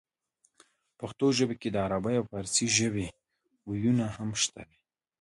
پښتو ژبې کې د عربۍ او پارسۍ ژبې وييونه هم شته دي